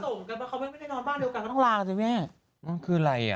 มเอ่อคือไรอ่ะ